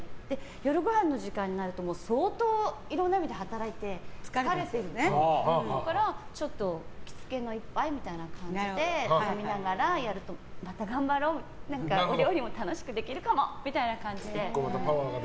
夜ごはんの時間になると相当、いろんな意味で働いて疲れているのでだから、ちょっと気つけの一杯みたいな感じで飲みながらやるとまた頑張ろうみたいなお料理も楽しくできるかもみたいな感じで。